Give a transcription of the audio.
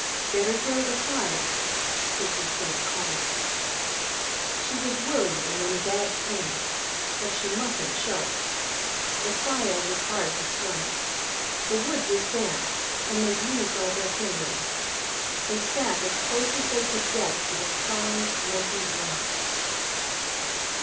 "Better build a fire," Prissy said calmly. She was worried and in bad pain. But she mustn't show it. The fire was hard to start. The wood was damp, and they'd used all their kindling. They sat as close as they could get to the sullen, smoky warmth.